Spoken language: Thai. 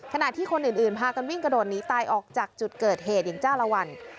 ขณะที่คนอื่นพากันวิ่งกระโดดหนีตายออกจากจุดเกิดเหตุอย่างจ้าละวัน